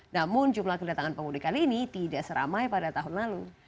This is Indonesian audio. namun jumlah kedatangan pemudik kali ini tidak seramai pada tahun lalu